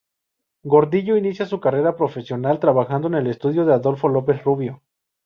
Gordillo inició su carrera profesional trabajando en el estudio de Adolfo López Rubio.